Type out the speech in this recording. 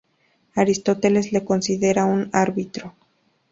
Aristóteles le considera un árbitro.